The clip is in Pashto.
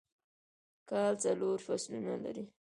کال څلور فصلونه لري